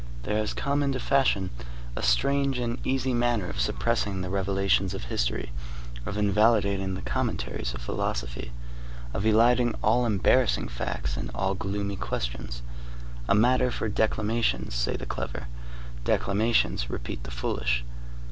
There has come into fashion a strange and easy manner of suppressing the revelations of history, of invalidating the commentaries of philosophy, of eliding all embarrassing facts and all gloomy questions. A matter for declamations, say the clever. Declamations, repeat the foolish.